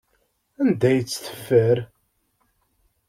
Anda ay tt-teffer?